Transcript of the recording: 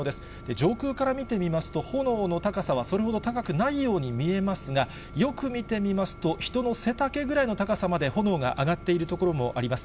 上空から見てみますと、炎の高さはそれほど高くないように見えますが、よく見てみますと、人の背丈ぐらいの高さまで炎が上がっている所もあります。